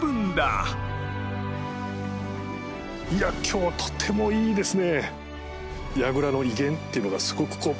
いや今日はとてもいいですね！